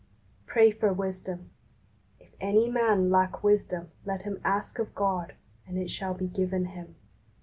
Pray for wisdom. "If any man lack wisdom let him ask of God, and it shall be given him."